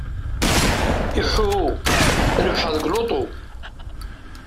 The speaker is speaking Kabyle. Iḥḥu! Rebḥeɣ deg luṭu.